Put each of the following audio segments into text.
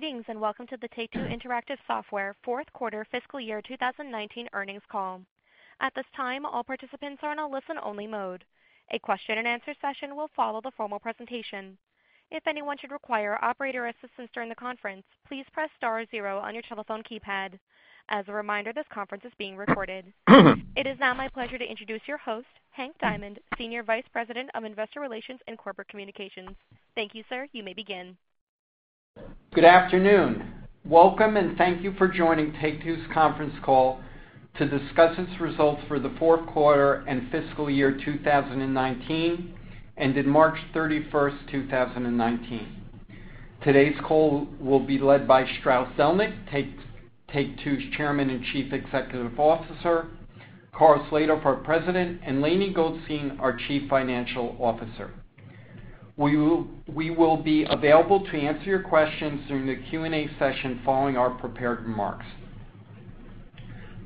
Greetings, welcome to the Take-Two Interactive Software fourth quarter fiscal year 2019 earnings call. At this time, all participants are in a listen-only mode. A question and answer session will follow the formal presentation. If anyone should require operator assistance during the conference, please press star zero on your telephone keypad. As a reminder, this conference is being recorded. It is now my pleasure to introduce your host, Henry Diamond, Senior Vice President of Investor Relations and Corporate Communications. Thank you, sir. You may begin. Good afternoon. Welcome and thank you for joining Take-Two's conference call to discuss its results for the fourth quarter and fiscal year 2019, ended March 31st, 2019. Today's call will be led by Strauss Zelnick, Take-Two's Chairman and Chief Executive Officer, Karl Slatoff, our President, and Lainie Goldstein, our Chief Financial Officer. We will be available to answer your questions during the Q&A session following our prepared remarks.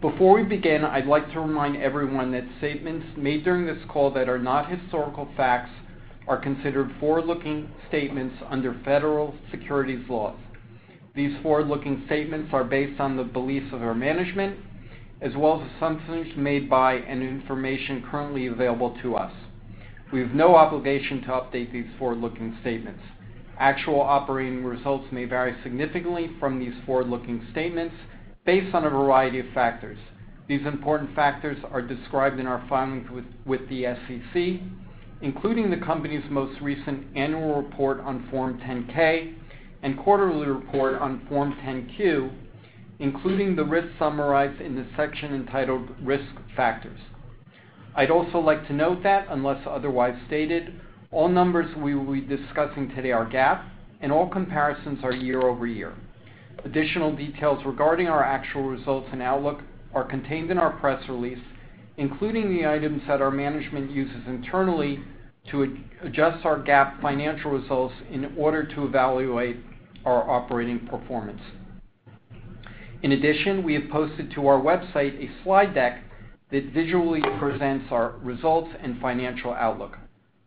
Before we begin, I'd like to remind everyone that statements made during this call that are not historical facts are considered forward-looking statements under federal securities laws. These forward-looking statements are based on the beliefs of our management as well as assumptions made by and information currently available to us. We have no obligation to update these forward-looking statements. Actual operating results may vary significantly from these forward-looking statements based on a variety of factors. These important factors are described in our filings with the SEC, including the company's most recent annual report on Form 10-K and quarterly report on Form 10-Q, including the risks summarized in the section entitled Risk Factors. I'd also like to note that unless otherwise stated, all numbers we will be discussing today are GAAP and all comparisons are year-over-year. Additional details regarding our actual results and outlook are contained in our press release, including the items that our management uses internally to adjust our GAAP financial results in order to evaluate our operating performance. In addition, we have posted to our website a slide deck that visually presents our results and financial outlook.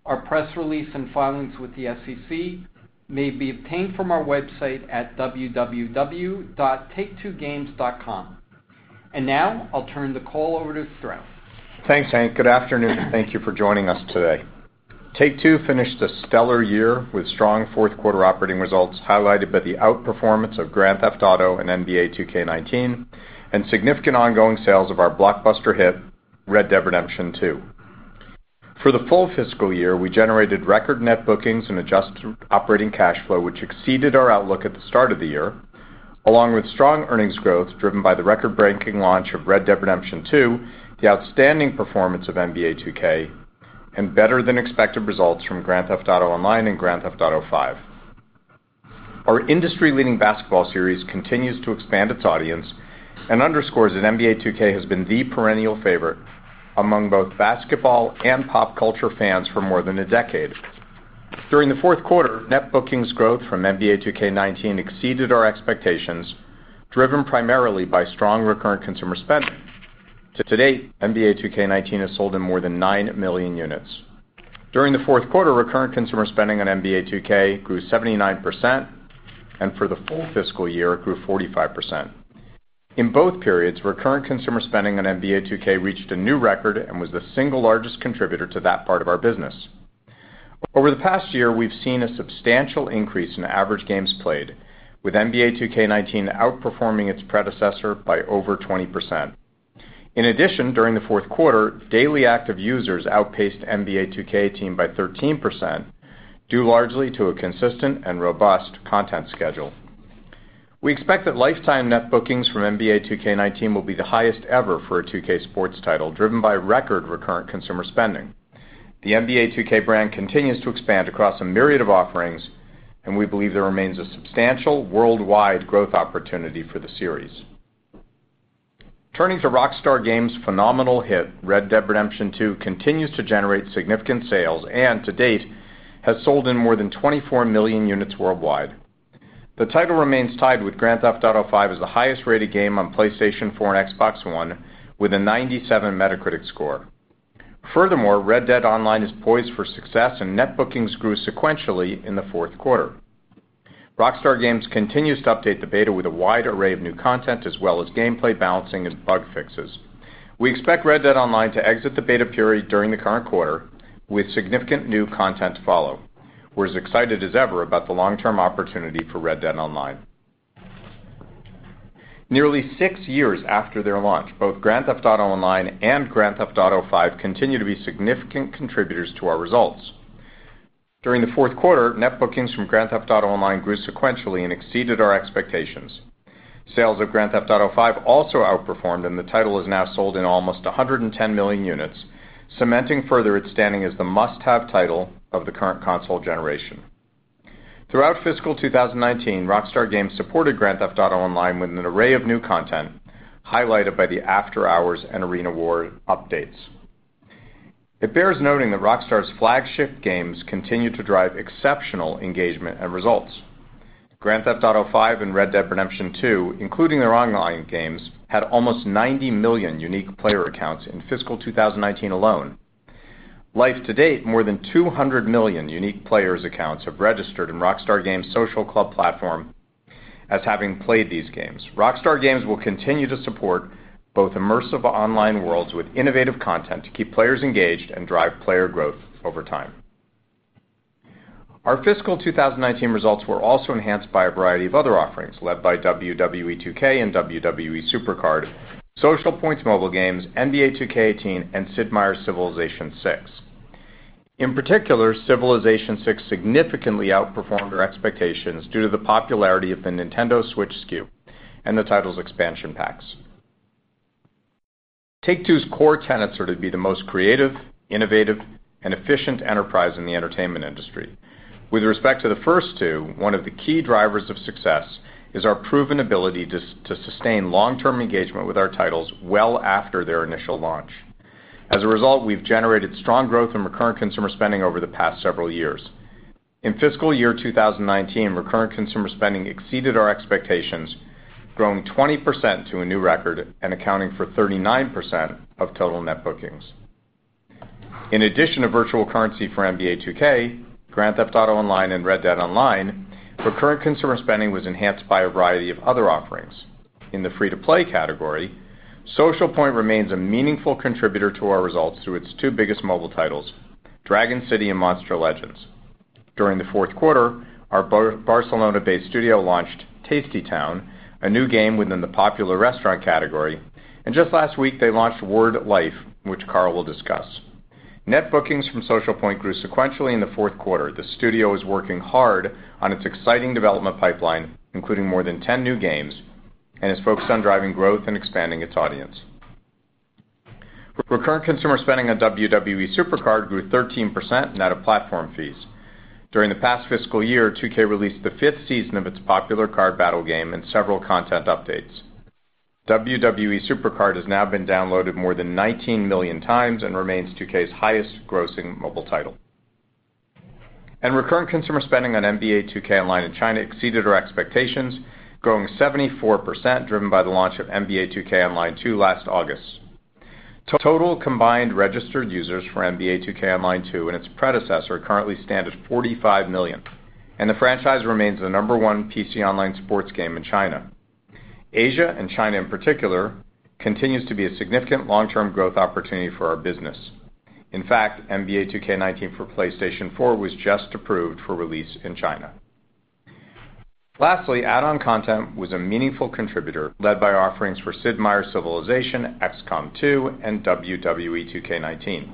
Our press release and filings with the SEC may be obtained from our website at www.taketwogames.com. Now I'll turn the call over to Strauss. Thanks, Hank. Good afternoon, and thank you for joining us today. Take-Two finished a stellar year with strong fourth quarter operating results highlighted by the outperformance of Grand Theft Auto and NBA 2K19 and significant ongoing sales of our blockbuster hit, Red Dead Redemption 2. For the full fiscal year, we generated record net bookings and adjusted operating cash flow, which exceeded our outlook at the start of the year, along with strong earnings growth driven by the record-breaking launch of Red Dead Redemption 2, the outstanding performance of NBA 2K, and better than expected results from Grand Theft Auto Online and Grand Theft Auto V. Our industry-leading basketball series continues to expand its audience and underscores that NBA 2K has been the perennial favorite among both basketball and pop culture fans for more than a decade. During the fourth quarter, net bookings growth from NBA 2K19 exceeded our expectations, driven primarily by strong recurrent consumer spending. To date, NBA 2K19 has sold in more than 9 million units. During the fourth quarter, recurrent consumer spending on NBA 2K grew 79%, and for the full fiscal year, it grew 45%. In both periods, recurrent consumer spending on NBA 2K reached a new record and was the single largest contributor to that part of our business. Over the past year, we've seen a substantial increase in average games played, with NBA 2K19 outperforming its predecessor by over 20%. In addition, during the fourth quarter, daily active users outpaced NBA 2K by 13%, due largely to a consistent and robust content schedule. We expect that lifetime net bookings from NBA 2K19 will be the highest ever for a 2K sports title, driven by record recurrent consumer spending. The NBA 2K brand continues to expand across a myriad of offerings. We believe there remains a substantial worldwide growth opportunity for the series. Turning to Rockstar Games' phenomenal hit, Red Dead Redemption 2 continues to generate significant sales and, to date, has sold in more than 24 million units worldwide. The title remains tied with Grand Theft Auto V as the highest-rated game on PlayStation 4 and Xbox One with a 97 Metacritic score. Red Dead Online is poised for success, and net bookings grew sequentially in the fourth quarter. Rockstar Games continues to update the beta with a wide array of new content, as well as gameplay balancing and bug fixes. We expect Red Dead Online to exit the beta period during the current quarter, with significant new content to follow. We're as excited as ever about the long-term opportunity for Red Dead Online. Nearly six years after their launch, both Grand Theft Auto Online and Grand Theft Auto V continue to be significant contributors to our results. During the fourth quarter, net bookings from Grand Theft Auto Online grew sequentially and exceeded our expectations. Sales of Grand Theft Auto V also outperformed, and the title is now sold in almost 110 million units, cementing further its standing as the must-have title of the current console generation. Throughout fiscal 2019, Rockstar Games supported Grand Theft Auto Online with an array of new content, highlighted by the After Hours and Arena War updates. It bears noting that Rockstar's flagship games continue to drive exceptional engagement and results. Grand Theft Auto V and Red Dead Redemption 2, including their online games, had almost 90 million unique player accounts in fiscal 2019 alone. Life to date, more than 200 million unique players' accounts have registered in Rockstar Games Social Club platform as having played these games. Rockstar Games will continue to support both immersive online worlds with innovative content to keep players engaged and drive player growth over time. Our fiscal 2019 results were also enhanced by a variety of other offerings led by WWE 2K and WWE SuperCard, Social Point's mobile games, NBA 2K18, and Sid Meier's Civilization VI. In particular, Civilization VI significantly outperformed our expectations due to the popularity of the Nintendo Switch SKU and the title's expansion packs. Take-Two's core tenets are to be the most creative, innovative, and efficient enterprise in the entertainment industry. With respect to the first two, one of the key drivers of success is our proven ability to sustain long-term engagement with our titles well after their initial launch. As a result, we've generated strong growth in recurrent consumer spending over the past several years. In fiscal year 2019, recurrent consumer spending exceeded our expectations, growing 20% to a new record and accounting for 39% of total net bookings. In addition to virtual currency for NBA 2K, Grand Theft Auto Online, and Red Dead Online, recurrent consumer spending was enhanced by a variety of other offerings. In the free-to-play category, Social Point remains a meaningful contributor to our results through its two biggest mobile titles, Dragon City and Monster Legends. During the fourth quarter, our Barcelona-based studio launched Tasty Town, a new game within the popular restaurant category, and just last week, they launched Word Life, which Karl will discuss. Net bookings from Social Point grew sequentially in the fourth quarter. The studio is working hard on its exciting development pipeline, including more than 10 new games, and is focused on driving growth and expanding its audience. Recurrent consumer spending on WWE SuperCard grew 13% net of platform fees. During the past fiscal year, 2K released the fifth season of its popular card battle game and several content updates. WWE SuperCard has now been downloaded more than 19 million times and remains 2K's highest-grossing mobile title. Recurrent consumer spending on NBA 2K Online in China exceeded our expectations, growing 74%, driven by the launch of NBA 2K Online 2 last August. Total combined registered users for NBA 2K Online 2 and its predecessor currently stand at 45 million, and the franchise remains the number one PC online sports game in China. Asia, and China in particular, continues to be a significant long-term growth opportunity for our business. In fact, NBA 2K19 for PlayStation 4 was just approved for release in China. Lastly, add-on content was a meaningful contributor led by offerings for Sid Meier's Civilization, XCOM 2, and WWE 2K19.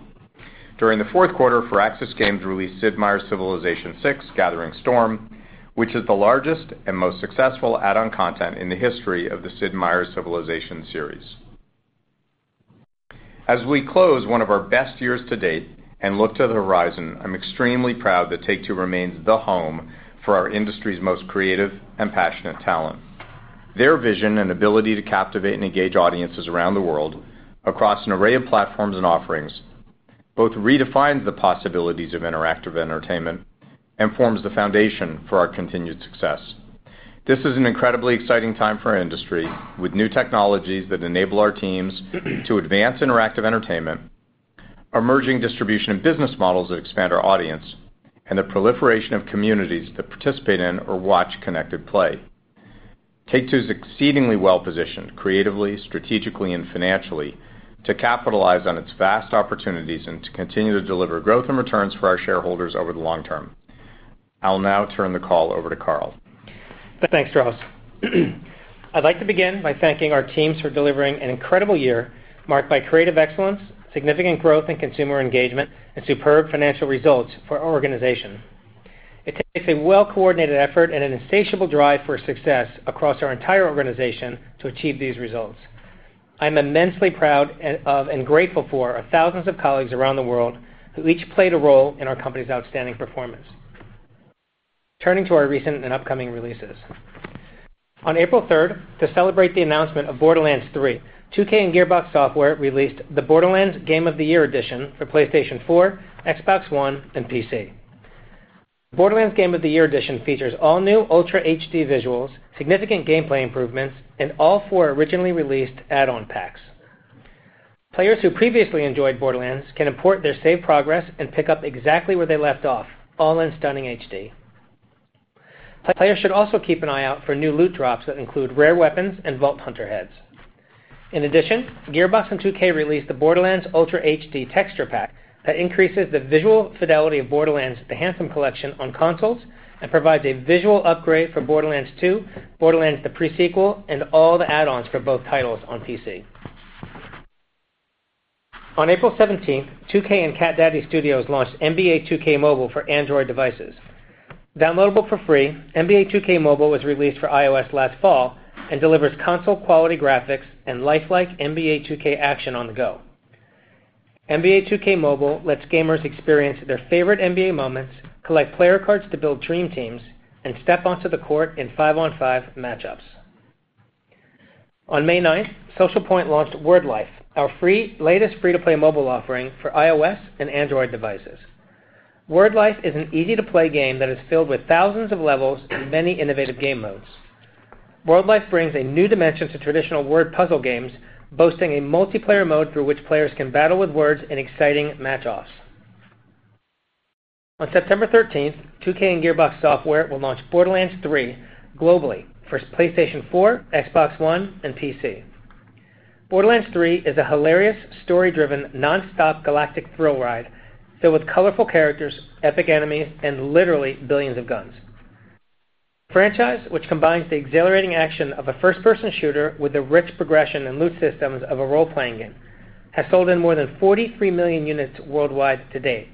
During the fourth quarter, Firaxis Games released Sid Meier's Civilization VI: Gathering Storm, which is the largest and most successful add-on content in the history of the Sid Meier's Civilization series. As we close one of our best years to date and look to the horizon, I'm extremely proud that Take-Two remains the home for our industry's most creative and passionate talent. Their vision and ability to captivate and engage audiences around the world across an array of platforms and offerings both redefines the possibilities of interactive entertainment and forms the foundation for our continued success. This is an incredibly exciting time for our industry, with new technologies that enable our teams to advance interactive entertainment, emerging distribution and business models that expand our audience, and the proliferation of communities that participate in or watch connected play. Take-Two is exceedingly well-positioned, creatively, strategically, and financially, to capitalize on its vast opportunities and to continue to deliver growth and returns for our shareholders over the long term. I'll now turn the call over to Karl. Thanks, Strauss. I'd like to begin by thanking our teams for delivering an incredible year marked by creative excellence, significant growth in consumer engagement, and superb financial results for our organization. It takes a well-coordinated effort and an insatiable drive for success across our entire organization to achieve these results. I'm immensely proud of and grateful for our thousands of colleagues around the world who each played a role in our company's outstanding performance. Turning to our recent and upcoming releases. On April 3, to celebrate the announcement of Borderlands 3, 2K and Gearbox Software released the Borderlands Game of the Year Edition for PlayStation 4, Xbox One, and PC. Borderlands Game of the Year Edition features all-new ultra HD visuals, significant gameplay improvements, and all four originally released add-on packs. Players who previously enjoyed Borderlands can import their saved progress and pick up exactly where they left off, all in stunning HD. Players should also keep an eye out for new loot drops that include rare weapons and Vault Hunter heads. In addition, Gearbox and 2K released the Borderlands Ultra HD Texture Pack that increases the visual fidelity of Borderlands: The Handsome Collection on consoles and provides a visual upgrade for Borderlands 2, Borderlands: The Pre-Sequel, and all the add-ons for both titles on PC. On April 17, 2K and Cat Daddy Games launched NBA 2K Mobile for Android devices. Downloadable for free, NBA 2K Mobile was released for iOS last fall and delivers console-quality graphics and lifelike NBA 2K action on the go. NBA 2K Mobile lets gamers experience their favorite NBA moments, collect player cards to build dream teams, and step onto the court in five-on-five matchups. On May 9, Social Point launched Word Life, our latest free-to-play mobile offering for iOS and Android devices. Word Life is an easy-to-play game that is filled with thousands of levels and many innovative game modes. Word Life brings a new dimension to traditional word puzzle games, boasting a multiplayer mode through which players can battle with words in exciting match-offs. On September 13, 2K and Gearbox Software will launch Borderlands 3 globally for PlayStation 4, Xbox One, and PC. Borderlands 3 is a hilarious, story-driven, nonstop galactic thrill ride filled with colorful characters, epic enemies, and literally billions of guns. The franchise, which combines the exhilarating action of a first-person shooter with the rich progression and loot systems of a role-playing game, has sold in more than 43 million units worldwide to date.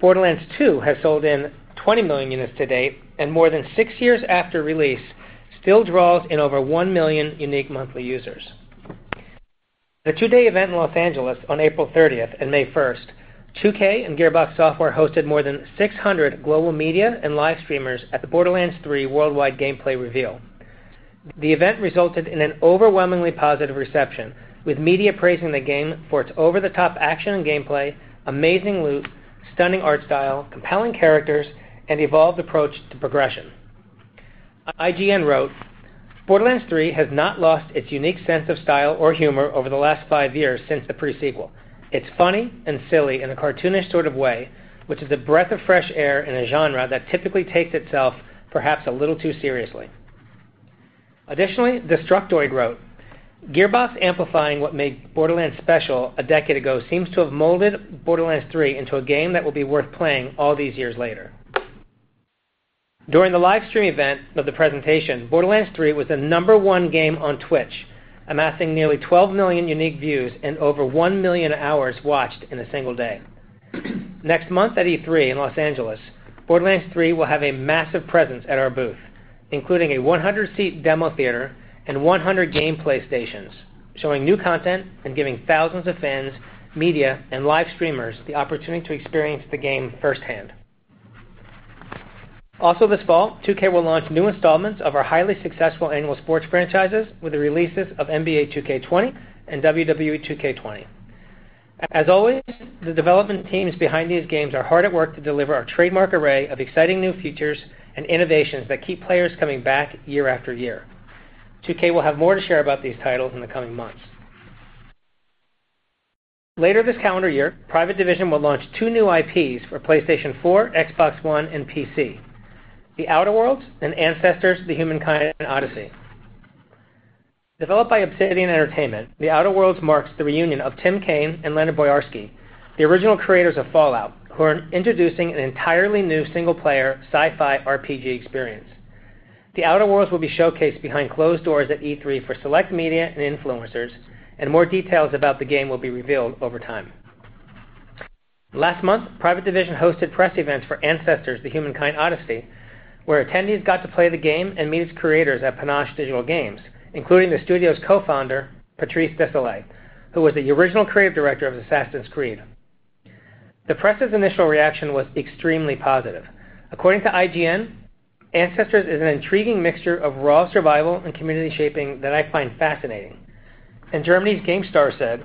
Borderlands 2 has sold in 20 million units to date, and more than six years after release, still draws in over one million unique monthly users. At a two-day event in L.A. on April 30 and May 1, 2K and Gearbox Software hosted more than 600 global media and live streamers at the Borderlands 3 worldwide gameplay reveal. The event resulted in an overwhelmingly positive reception, with media praising the game for its over-the-top action and gameplay, amazing loot, stunning art style, compelling characters, and evolved approach to progression. IGN wrote, "Borderlands 3 has not lost its unique sense of style or humor over the last five years since The Pre-Sequel. It's funny and silly in a cartoonish sort of way, which is a breath of fresh air in a genre that typically takes itself perhaps a little too seriously." Additionally, Destructoid wrote, "Gearbox amplifying what made Borderlands special a decade ago seems to have molded Borderlands 3 into a game that will be worth playing all these years later." During the livestream event of the presentation, Borderlands 3 was the number one game on Twitch, amassing nearly 12 million unique views and over 1 million hours watched in a single day. Next month at E3 in L.A., Borderlands 3 will have a massive presence at our booth, including a 100-seat demo theater and 100 gameplay stations, showing new content and giving thousands of fans, media, and live streamers the opportunity to experience the game firsthand. This fall, 2K will launch new installments of our highly successful annual sports franchises with the releases of NBA 2K20 and WWE 2K20. As always, the development teams behind these games are hard at work to deliver our trademark array of exciting new features and innovations that keep players coming back year after year. 2K will have more to share about these titles in the coming months. Later this calendar year, Private Division will launch two new IPs for PlayStation 4, Xbox One, and PC, The Outer Worlds and Ancestors: The Humankind Odyssey. Developed by Obsidian Entertainment, The Outer Worlds marks the reunion of Tim Cain and Leonard Boyarsky, the original creators of Fallout, who are introducing an entirely new single-player sci-fi RPG experience. The Outer Worlds will be showcased behind closed doors at E3 for select media and influencers, and more details about the game will be revealed over time. Last month, Private Division hosted press events for Ancestors: The Humankind Odyssey, where attendees got to play the game and meet its creators at Panache Digital Games, including the studio's co-founder, Patrice Désilets, who was the original creative director of Assassin's Creed. The press' initial reaction was extremely positive. According to IGN, "Ancestors is an intriguing mixture of raw survival and community shaping that I find fascinating." Germany's GameStar said,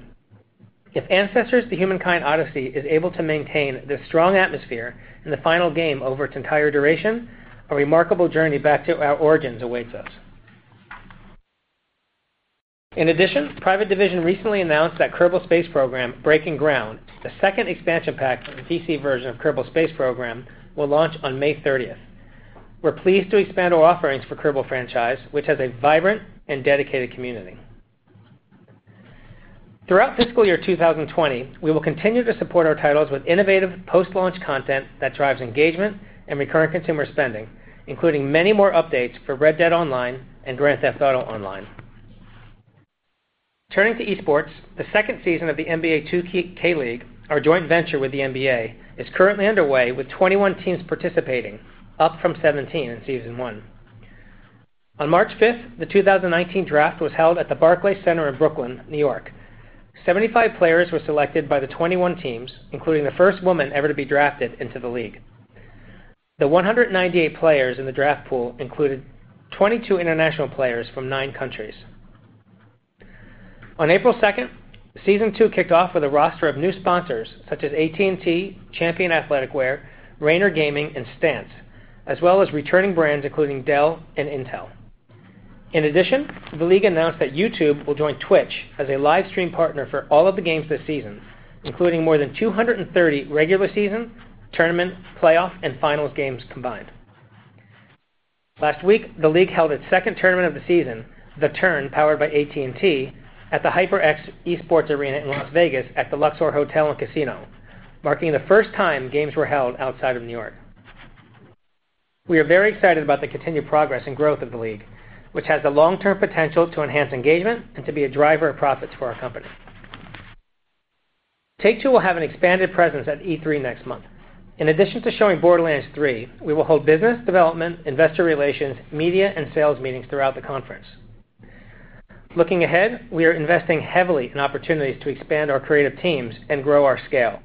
"If Ancestors: The Humankind Odyssey is able to maintain this strong atmosphere in the final game over its entire duration, a remarkable journey back to our origins awaits us." In addition, Private Division recently announced that Kerbal Space Program: Breaking Ground, the second expansion pack for the PC version of Kerbal Space Program, will launch on May 30th. We're pleased to expand our offerings for Kerbal franchise, which has a vibrant and dedicated community. Throughout FY 2020, we will continue to support our titles with innovative post-launch content that drives engagement and Recurrent Consumer Spending, including many more updates for Red Dead Online and Grand Theft Auto Online. Turning to esports, the second season of the NBA 2K League, our joint venture with the NBA, is currently underway with 21 teams participating, up from 17 in season one. On March 5th, the 2019 draft was held at the Barclays Center in Brooklyn, N.Y. 75 players were selected by the 21 teams, including the first woman ever to be drafted into the league. The 198 players in the draft pool included 22 international players from nine countries. On April 2nd, season two kicked off with a roster of new sponsors such as AT&T, Champion Athleticwear, Raynor Gaming, and Stance, as well as returning brands including Dell and Intel. In addition, the league announced that YouTube will join Twitch as a livestream partner for all of the games this season, including more than 230 regular season, tournament, playoff, and finals games combined. Last week, the league held its second tournament of the season, THE TURN powered by AT&T, at the HyperX Esports Arena in Las Vegas at the Luxor Hotel & Casino, marking the first time games were held outside of N.Y. We are very excited about the continued progress and growth of the league, which has the long-term potential to enhance engagement and to be a driver of profit for our company. Take-Two will have an expanded presence at E3 next month. In addition to showing Borderlands 3, we will hold business development, investor relations, media, and sales meetings throughout the conference. Looking ahead, we are investing heavily in opportunities to expand our creative teams and grow our scale,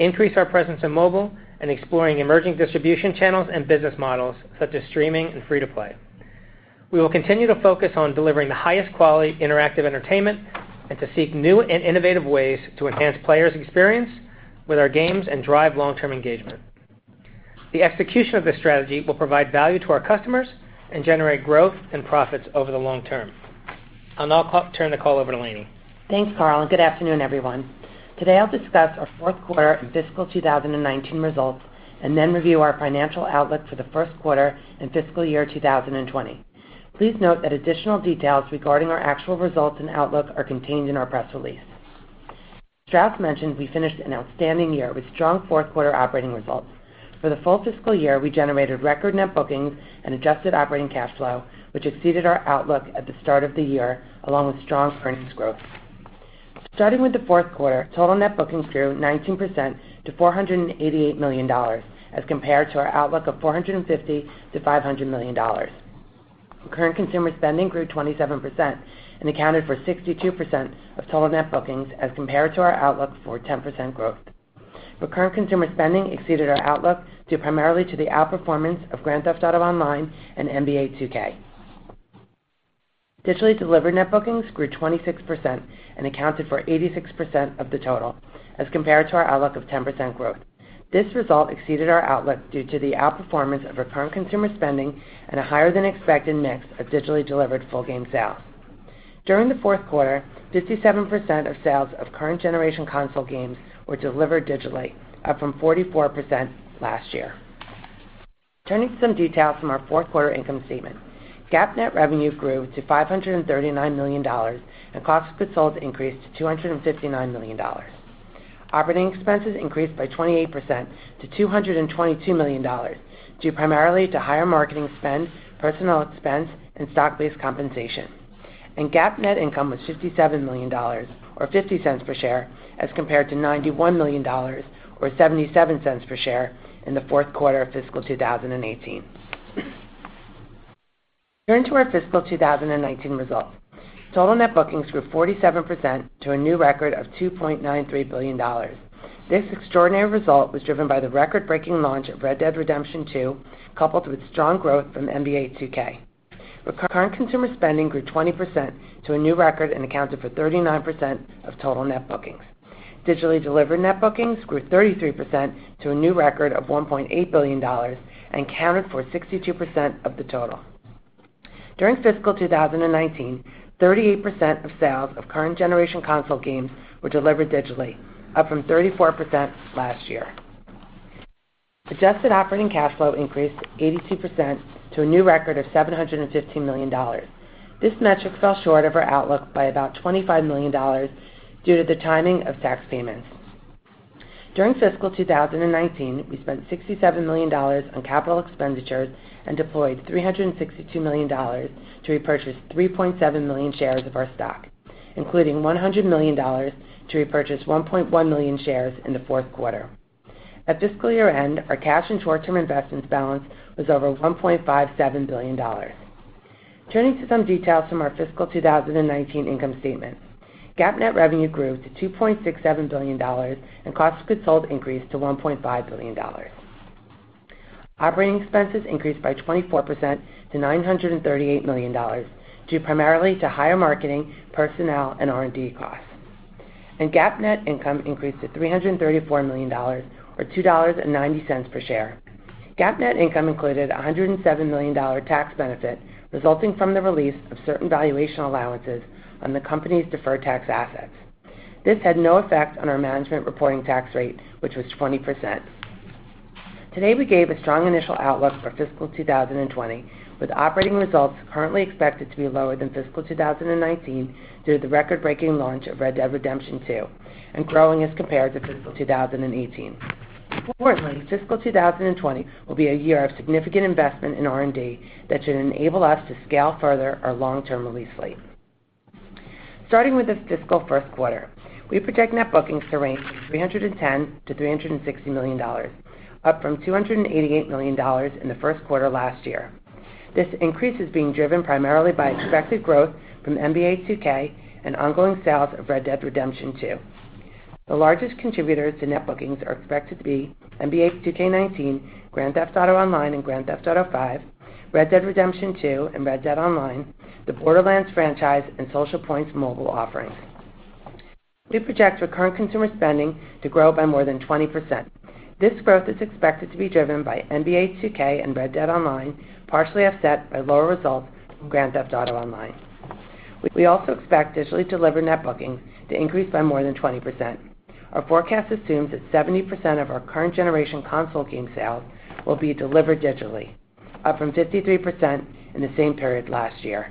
increase our presence in mobile, and exploring emerging distribution channels and business models such as streaming and free to play. We will continue to focus on delivering the highest quality interactive entertainment and to seek new and innovative ways to enhance players' experience with our games and drive long-term engagement. The execution of this strategy will provide value to our customers and generate growth and profits over the long term. I'll now turn the call over to Lainie. Thanks, Karl, good afternoon, everyone. Today, I'll discuss our fourth quarter and fiscal 2019 results. Then review our financial outlook for the first quarter and fiscal year 2020. Please note that additional details regarding our actual results and outlook are contained in our press release. As Strauss mentioned, we finished an outstanding year with strong fourth-quarter operating results. For the full fiscal year, we generated record net bookings and adjusted operating cash flow, which exceeded our outlook at the start of the year, along with strong earnings growth. Starting with the fourth quarter, total net bookings grew 19% to $488 million, as compared to our outlook of $450 million-$500 million. Recurrent consumer spending grew 27% and accounted for 62% of total net bookings as compared to our outlook for 10% growth. Recurrent consumer spending exceeded our outlook due primarily to the outperformance of Grand Theft Auto Online and NBA 2K. Digitally delivered net bookings grew 26% and accounted for 86% of the total as compared to our outlook of 10% growth. This result exceeded our outlook due to the outperformance of recurrent consumer spending and a higher than expected mix of digitally delivered full game sales. During the fourth quarter, 57% of sales of current generation console games were delivered digitally, up from 44% last year. Turning to some details from our fourth quarter income statement. GAAP net revenue grew to $539 million, and cost of goods sold increased to $259 million. Operating expenses increased by 28% to $222 million, due primarily to higher marketing spend, personnel expense, and stock-based compensation. GAAP net income was $57 million, or $0.50 per share, as compared to $91 million, or $0.77 per share in the fourth quarter of fiscal 2018. Turning to our fiscal 2019 results. Total net bookings grew 47% to a new record of $2.93 billion. This extraordinary result was driven by the record-breaking launch of Red Dead Redemption 2, coupled with strong growth from NBA 2K. Recurrent consumer spending grew 20% to a new record and accounted for 39% of total net bookings. Digitally delivered net bookings grew 33% to a new record of $1.8 billion and accounted for 62% of the total. During fiscal 2019, 38% of sales of current generation console games were delivered digitally, up from 34% last year. Adjusted operating cash flow increased 82% to a new record of $715 million. This metric fell short of our outlook by about $25 million due to the timing of tax payments. During fiscal 2019, we spent $67 million on capital expenditures and deployed $362 million to repurchase 3.7 million shares of our stock, including $100 million to repurchase 1.1 million shares in the fourth quarter. At fiscal year-end, our cash and short-term investments balance was over $1.57 billion. Turning to some details from our fiscal 2019 income statement. GAAP net revenue grew to $2.67 billion, and cost of goods sold increased to $1.5 billion. Operating expenses increased by 24% to $938 million, due primarily to higher marketing, personnel, and R&D costs. GAAP net income increased to $334 million, or $2.90 per share. GAAP net income included a $107 million tax benefit resulting from the release of certain valuation allowances on the company's deferred tax assets. This had no effect on our management reporting tax rate, which was 20%. Today, we gave a strong initial outlook for fiscal 2020 with operating results currently expected to be lower than fiscal 2019 due to the record-breaking launch of Red Dead Redemption 2 and growing as compared to fiscal 2018. Importantly, fiscal 2020 will be a year of significant investment in R&D that should enable us to scale further our long-term release slate. Starting with this fiscal first quarter, we project net bookings to range from $310 million to $360 million, up from $288 million in the first quarter last year. This increase is being driven primarily by expected growth from NBA 2K and ongoing sales of Red Dead Redemption 2. The largest contributors to net bookings are expected to be NBA 2K19, Grand Theft Auto Online and Grand Theft Auto V, Red Dead Redemption 2 and Red Dead Online, the Borderlands franchise, and Social Point's mobile offerings. We project recurrent consumer spending to grow by more than 20%. This growth is expected to be driven by NBA 2K and Red Dead Online, partially offset by lower results from Grand Theft Auto Online. We also expect digitally delivered net bookings to increase by more than 20%. Our forecast assumes that 70% of our current generation console game sales will be delivered digitally, up from 53% in the same period last year.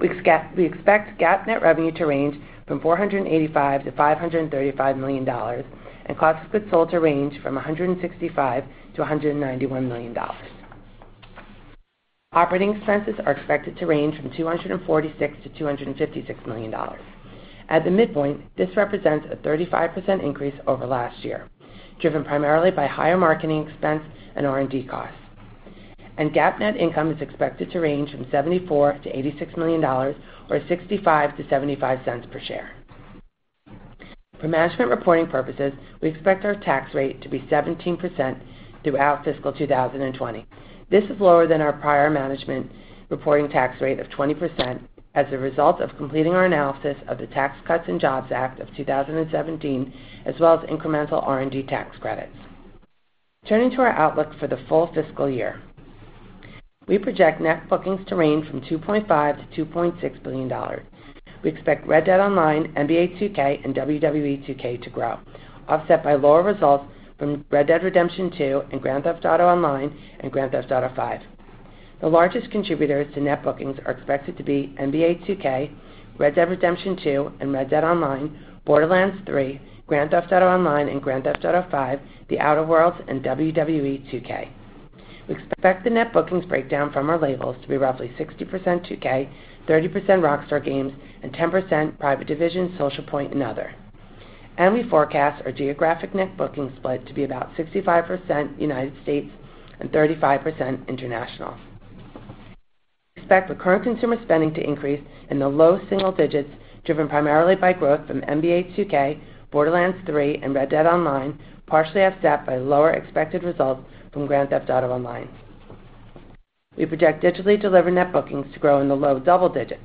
We expect GAAP net revenue to range from $485 million-$535 million and cost of goods sold to range from $165 million-$191 million. Operating expenses are expected to range from $246 million-$256 million. At the midpoint, this represents a 35% increase over last year, driven primarily by higher marketing expense and R&D costs. GAAP net income is expected to range from $74 million-$86 million or $0.65-$0.75 per share. For management reporting purposes, we expect our tax rate to be 17% throughout fiscal 2020. This is lower than our prior management reporting tax rate of 20%, as a result of completing our analysis of the Tax Cuts and Jobs Act of 2017, as well as incremental R&D tax credits. Turning to our outlook for the full fiscal year. We project net bookings to range from $2.5 billion-$2.6 billion. We expect Red Dead Online, NBA 2K, and WWE 2K to grow, offset by lower results from Red Dead Redemption 2 and Grand Theft Auto Online and Grand Theft Auto V. The largest contributors to net bookings are expected to be NBA 2K, Red Dead Redemption 2, and Red Dead Online, Borderlands 3, Grand Theft Auto Online, and Grand Theft Auto V, The Outer Worlds, and WWE 2K. We expect the net bookings breakdown from our labels to be roughly 60% 2K, 30% Rockstar Games, and 10% Private Division, Social Point, and other. We forecast our geographic net bookings split to be about 65% U.S. and 35% international. We expect recurrent consumer spending to increase in the low single digits, driven primarily by growth from NBA 2K, Borderlands 3, and Red Dead Online, partially offset by lower expected results from Grand Theft Auto Online. We project digitally delivered net bookings to grow in the low double digits.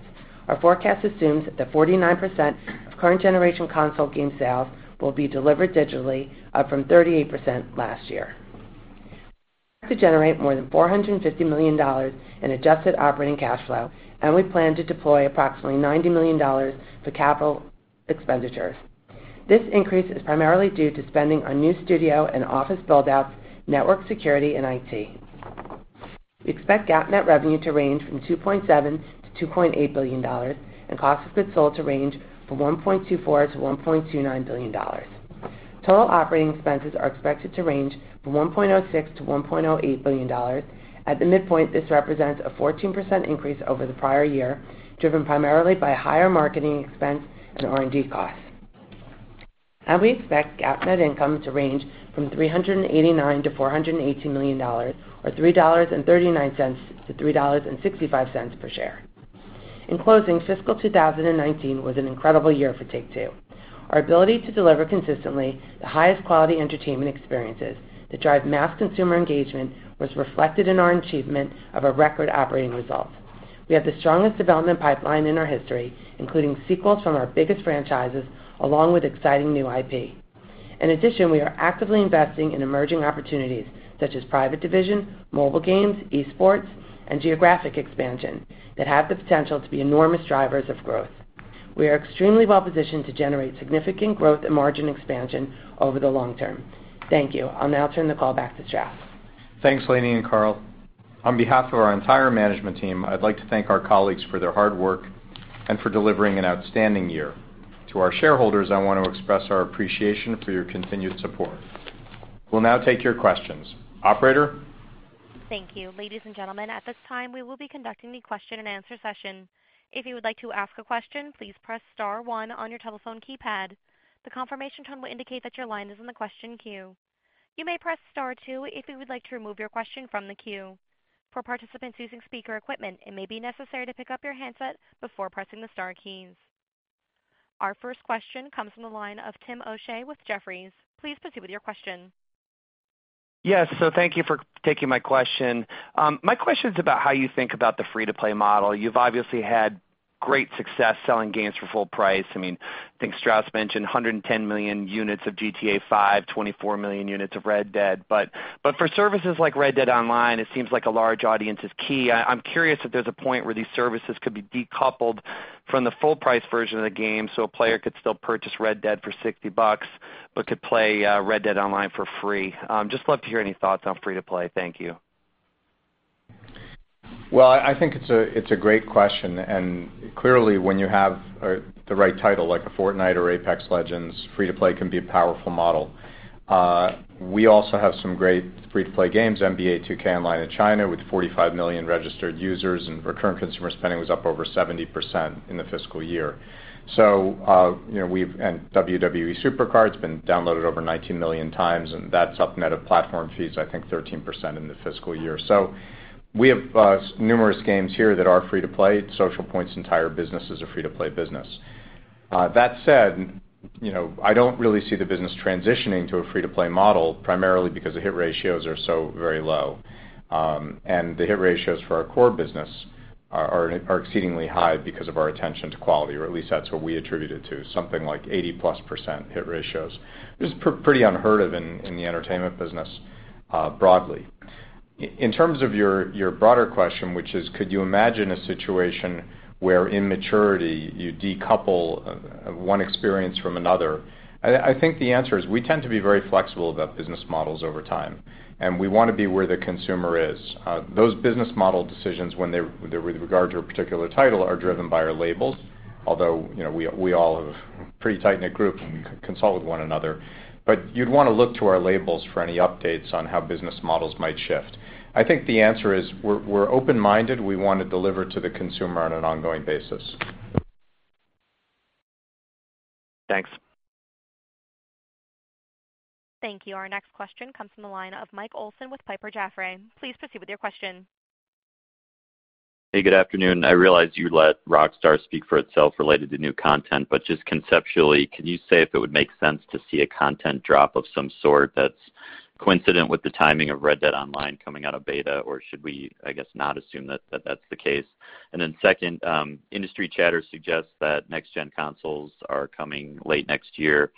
Our forecast assumes that 49% of current generation console game sales will be delivered digitally, up from 38% last year. We expect to generate more than $450 million in adjusted operating cash flow, and we plan to deploy approximately $90 million for capital expenditures. This increase is primarily due to spending on new studio and office build-outs, network security, and IT. We expect GAAP net revenue to range from $2.7 billion-$2.8 billion and cost of goods sold to range from $1.24 billion-$1.29 billion. Total operating expenses are expected to range from $1.06 billion-$1.08 billion. At the midpoint, this represents a 14% increase over the prior year, driven primarily by higher marketing expense and R&D costs. We expect GAAP net income to range from $389 million-$418 million or $3.39-$3.65 per share. In closing, fiscal 2019 was an incredible year for Take-Two. Our ability to deliver consistently the highest quality entertainment experiences that drive mass consumer engagement was reflected in our achievement of a record operating result. We have the strongest development pipeline in our history, including sequels from our biggest franchises along with exciting new IP. In addition, we are actively investing in emerging opportunities such as Private Division, mobile games, esports, and geographic expansion that have the potential to be enormous drivers of growth. We are extremely well-positioned to generate significant growth and margin expansion over the long term. Thank you. I'll now turn the call back to Strauss. Thanks, Lainie and Karl. On behalf of our entire management team, I'd like to thank our colleagues for their hard work and for delivering an outstanding year. To our shareholders, I want to express our appreciation for your continued support. We'll now take your questions. Operator? Thank you. Ladies and gentlemen, at this time, we will be conducting the question and answer session. If you would like to ask a question, please press star one on your telephone keypad. The confirmation tone will indicate that your line is in the question queue. You may press star two if you would like to remove your question from the queue. For participants using speaker equipment, it may be necessary to pick up your handset before pressing the star keys. Our first question comes from the line of Timothy O'Shea with Jefferies. Please proceed with your question. Yes. Thank you for taking my question. My question's about how you think about the free-to-play model. You've obviously had great success selling games for full price. I think Strauss mentioned 110 million units of GTA V, 24 million units of Red Dead. For services like Red Dead Online, it seems like a large audience is key. I'm curious if there's a point where these services could be decoupled from the full price version of the game, so a player could still purchase Red Dead for $60, but could play Red Dead Online for free. Just love to hear any thoughts on free to play. Thank you. Well, I think it's a great question, and clearly, when you have the right title, like a Fortnite or Apex Legends, free to play can be a powerful model. We also have some great free-to-play games, NBA 2K Online in China with 45 million registered users, and recurrent consumer spending was up over 70% in the fiscal year. WWE SuperCard's been downloaded over 19 million times, and that's up net of platform fees, I think 13% in the fiscal year. We have numerous games here that are free to play. Social Point's entire business is a free-to-play business. That said, I don't really see the business transitioning to a free-to-play model, primarily because the hit ratios are so very low. The hit ratios for our core business are exceedingly high because of our attention to quality, or at least that's what we attribute it to, something like 80-plus % hit ratios, which is pretty unheard of in the entertainment business broadly. In terms of your broader question, which is could you imagine a situation where in maturity you decouple one experience from another, I think the answer is we tend to be very flexible about business models over time, and we want to be where the consumer is. Those business model decisions with regard to a particular title are driven by our labels, although we all have a pretty tight-knit group and consult with one another. You'd want to look to our labels for any updates on how business models might shift. I think the answer is we're open-minded. We want to deliver to the consumer on an ongoing basis. Thanks. Thank you. Our next question comes from the line of Michael Olson with Piper Jaffray. Please proceed with your question. Hey, good afternoon. I realize you let Rockstar speak for itself related to new content, but just conceptually, can you say if it would make sense to see a content drop of some sort that's coincident with the timing of Red Dead Online coming out of beta? Should we, I guess, not assume that that's the case? Second, industry chatter suggests that next gen consoles are coming late next year.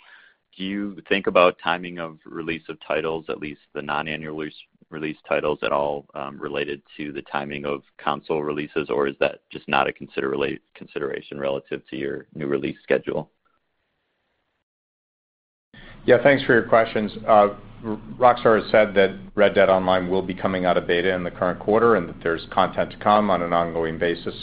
Do you think about timing of release of titles, at least the non-annual release titles at all, related to the timing of console releases? Is that just not a consideration relative to your new release schedule? Yeah. Thanks for your questions. Rockstar has said that Red Dead Online will be coming out of beta in the current quarter, and that there's content to come on an ongoing basis,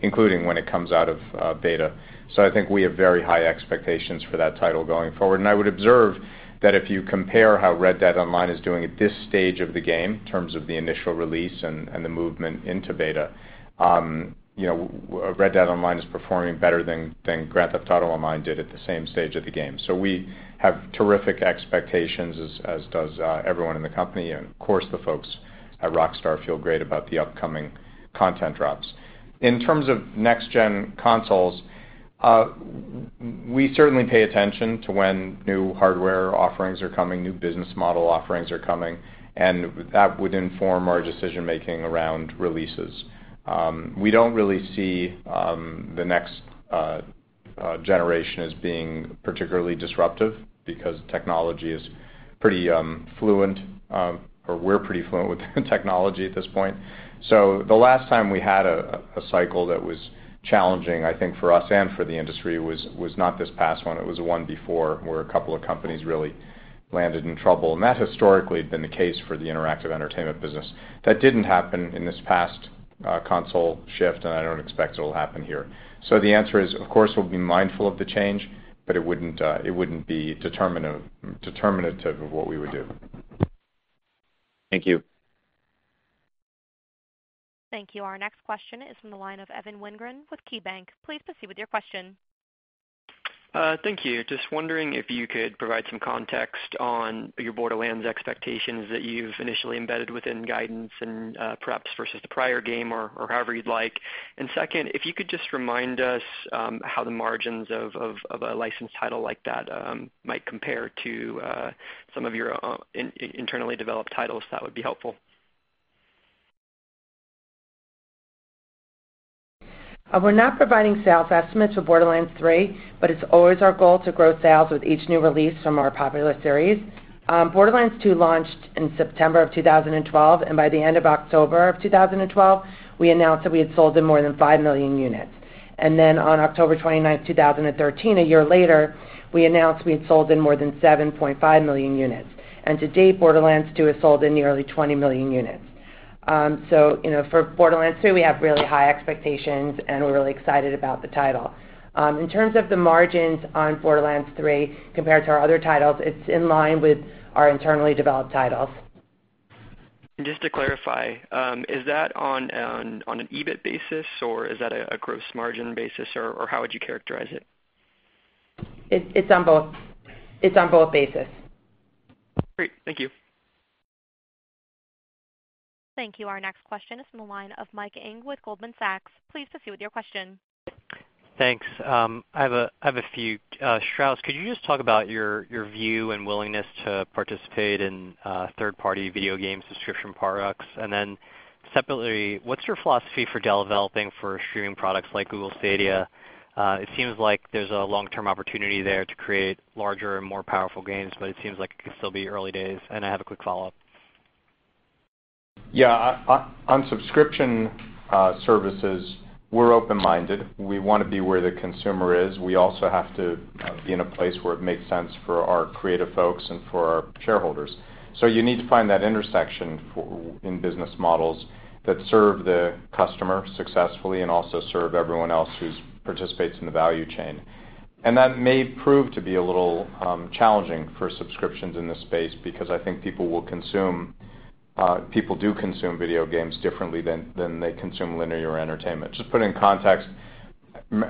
including when it comes out of beta. I think we have very high expectations for that title going forward. I would observe that if you compare how Red Dead Online is doing at this stage of the game in terms of the initial release and the movement into beta, Red Dead Online is performing better than Grand Theft Auto Online did at the same stage of the game. We have terrific expectations, as does everyone in the company, and of course, the folks at Rockstar feel great about the upcoming content drops. In terms of next gen consoles, we certainly pay attention to when new hardware offerings are coming, new business model offerings are coming, and that would inform our decision-making around releases. We don't really see the next generation as being particularly disruptive because technology is pretty fluent, or we're pretty fluent with technology at this point. The last time we had a cycle that was challenging, I think, for us and for the industry was not this past one, it was the one before, where a couple of companies really landed in trouble. That historically had been the case for the interactive entertainment business. That didn't happen in this past console shift, and I don't expect it'll happen here. The answer is, of course, we'll be mindful of the change, but it wouldn't be determinative of what we would do. Thank you. Thank you. Our next question is from the line of Evan Wingren with KeyBanc. Please proceed with your question. Thank you. Just wondering if you could provide some context on your Borderlands expectations that you've initially embedded within guidance and perhaps versus the prior game or however you'd like. Second, if you could just remind us how the margins of a licensed title like that might compare to some of your internally developed titles, that would be helpful. We're not providing sales estimates for Borderlands 3, but it's always our goal to grow sales with each new release from our popular series. Borderlands 2 launched in September 2012, and by the end of October 2012, we announced that we had sold more than 5 million units. Then on October 29th, 2013, a year later, we announced we had sold more than 7.5 million units. To date, Borderlands 2 has sold nearly 20 million units. For Borderlands 2, we have really high expectations, and we're really excited about the title. In terms of the margins on Borderlands 3 compared to our other titles, it's in line with our internally developed titles. Just to clarify, is that on an EBIT basis, or is that a gross margin basis, or how would you characterize it? It's on both basis. Great. Thank you. Thank you. Our next question is from the line of Christopher Merwin with Goldman Sachs. Please proceed with your question. Thanks. I have a few. Strauss, could you just talk about your view and willingness to participate in third-party video game subscription products? Then separately, what's your philosophy for developing for streaming products like Google Stadia? It seems like there's a long-term opportunity there to create larger and more powerful games, it seems like it could still be early days. I have a quick follow-up. Yeah. On subscription services, we're open-minded. We want to be where the consumer is. We also have to be in a place where it makes sense for our creative folks and for our shareholders. You need to find that intersection in business models that serve the customer successfully and also serve everyone else who participates in the value chain. That may prove to be a little challenging for subscriptions in this space because I think people do consume video games differently than they consume linear entertainment. Just put it in context,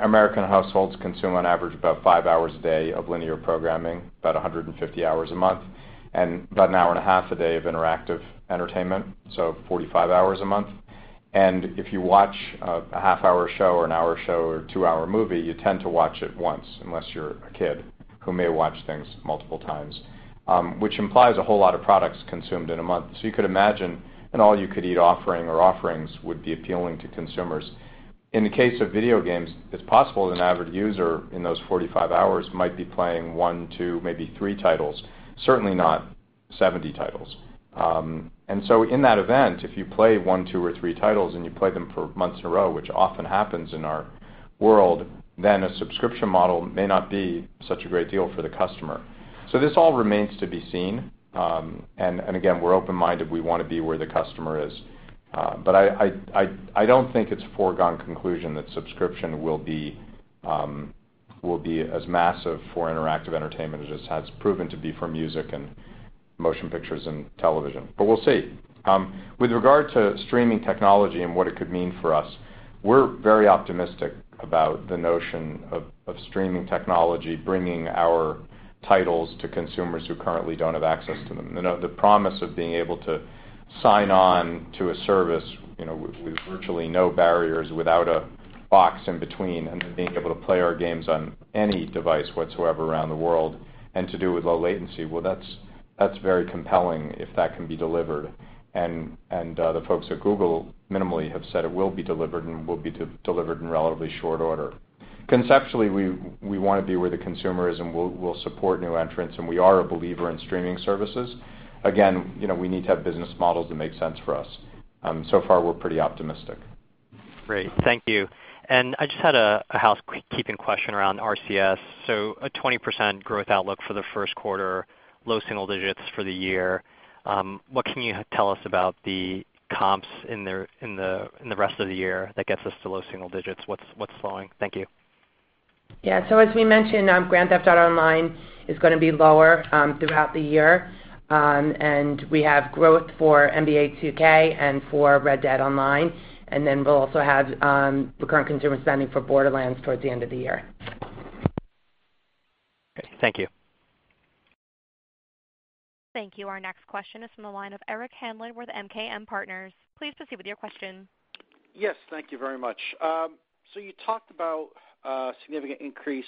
American households consume on average about five hours a day of linear programming, about 150 hours a month, and about an hour and a half a day of interactive entertainment, so 45 hours a month. If you watch a half-hour show or an hour show or two-hour movie, you tend to watch it once, unless you're a kid who may watch things multiple times, which implies a whole lot of products consumed in a month. You could imagine an all-you-can-eat offering or offerings would be appealing to consumers. In the case of video games, it's possible that an average user in those 45 hours might be playing one, two, maybe three titles, certainly not 70 titles. In that event, if you play one, two, or three titles and you play them for months in a row, which often happens in our world, then a subscription model may not be such a great deal for the customer. This all remains to be seen. Again, we're open-minded. We want to be where the customer is. I don't think it's a foregone conclusion that subscription will be as massive for interactive entertainment as it has proven to be for music and motion pictures and television. We'll see. With regard to streaming technology and what it could mean for us, we're very optimistic about the notion of streaming technology bringing our titles to consumers who currently don't have access to them. The promise of being able to sign on to a service with virtually no barriers without a box in between and then being able to play our games on any device whatsoever around the world and to do with low latency, well, that's very compelling if that can be delivered. The folks at Google minimally have said it will be delivered and will be delivered in relatively short order. Conceptually, we want to be where the consumer is, we'll support new entrants, we are a believer in streaming services. Again, we need to have business models that make sense for us. So far, we're pretty optimistic. Great. Thank you. I just had a housekeeping question around RCS. A 20% growth outlook for the first quarter, low single digits for the year. What can you tell us about the comps in the rest of the year that gets us to low single digits? What's slowing? Thank you. As we mentioned, Grand Theft Auto Online is going to be lower throughout the year. We have growth for NBA 2K and for Red Dead Online. We will also have recurrent consumer spending for Borderlands towards the end of the year. Great. Thank you. Thank you. Our next question is from the line of Eric Handler with MKM Partners. Please proceed with your question. Yes, thank you very much. You talked about a significant increase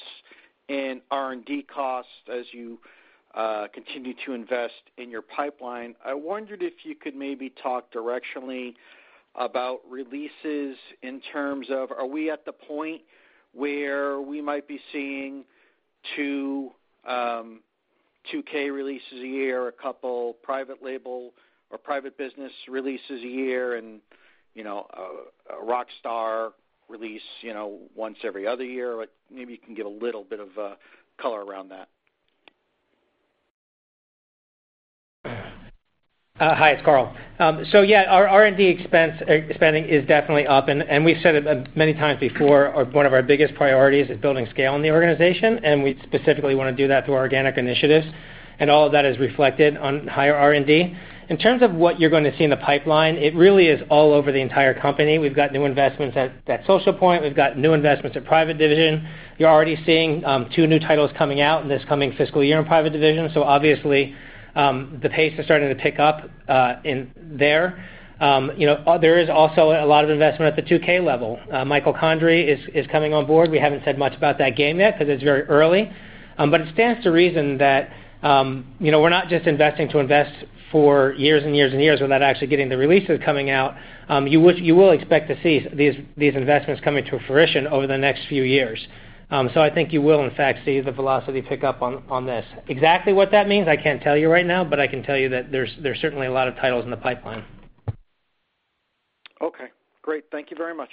in R&D costs as you continue to invest in your pipeline. I wondered if you could maybe talk directionally about releases in terms of are we at the point where we might be seeing two 2K releases a year, a couple Private Division releases a year, and a Rockstar release once every other year? Maybe you can give a little bit of color around that. Hi, it's Karl. Yeah, our R&D spending is definitely up, and we've said it many times before, one of our biggest priorities is building scale in the organization, and we specifically want to do that through organic initiatives, and all of that is reflected on higher R&D. In terms of what you're going to see in the pipeline, it really is all over the entire company. We've got new investments at Social Point. We've got new investments at Private Division. You're already seeing two new titles coming out in this coming fiscal year in Private Division. Obviously, the pace is starting to pick up there. There is also a lot of investment at the 2K level. Michael Condrey is coming on board. We haven't said much about that game yet because it's very early. It stands to reason that we're not just investing to invest for years and years without actually getting the releases coming out. You will expect to see these investments coming to fruition over the next few years. I think you will, in fact, see the velocity pick up on this. Exactly what that means, I can't tell you right now, but I can tell you that there's certainly a lot of titles in the pipeline. Okay, great. Thank you very much.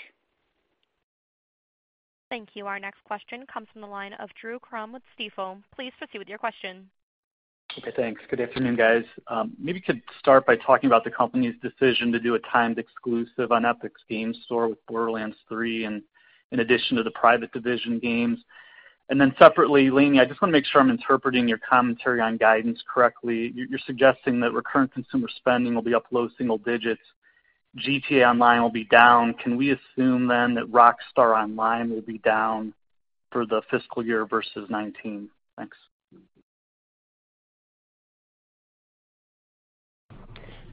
Thank you. Our next question comes from the line of Drew Crum with Stifel. Please proceed with your question. Okay, thanks. Good afternoon, guys. Maybe you could start by talking about the company's decision to do a timed exclusive on Epic Games Store with Borderlands 3 in addition to the Private Division games. Separately, Lainie, I just want to make sure I'm interpreting your commentary on guidance correctly. You're suggesting that Recurrent Consumer Spending will be up low single digits. GTA Online will be down. Can we assume that Rockstar Online will be down for the fiscal year versus 2019? Thanks.